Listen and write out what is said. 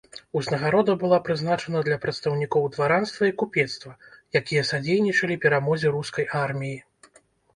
Узнагарода была прызначана для прадстаўнікоў дваранства і купецтва, якія садзейнічалі перамозе рускай арміі.